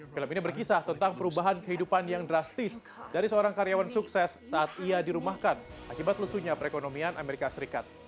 film ini berkisah tentang perubahan kehidupan yang drastis dari seorang karyawan sukses saat ia dirumahkan akibat lusunya perekonomian amerika serikat